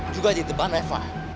juga di depan reva